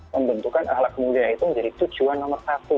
membentukkan ahlak milia itu menjadi tujuan nomor satu